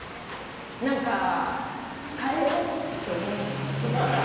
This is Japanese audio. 何か変えようって思うんじゃないどこかで。